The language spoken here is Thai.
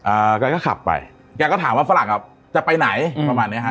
แกก็ขับไปแกก็ถามว่าฝรั่งอ่ะจะไปไหนประมาณเนี้ยฮะ